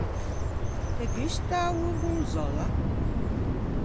Te gusta a gorgonzòlla?